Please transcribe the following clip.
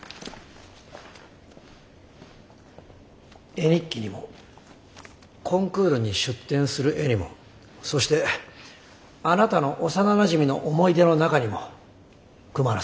絵日記にもコンクールに出展する絵にもそしてあなたの幼なじみの思い出の中にもクマラさんはいます。